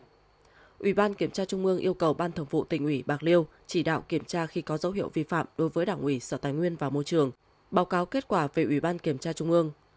ủy ban kiểm tra trung ương yêu cầu ban thường vụ tỉnh ủy bạc liêu chỉ đạo kiểm tra khi có dấu hiệu vi phạm đối với đảng ủy sở tài nguyên và môi trường báo cáo kết quả về ủy ban kiểm tra trung ương